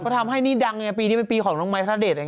เพราะทำให้นี่ดังไงปีนี้เป็นปีของน้องไมค์ประธาเดตไง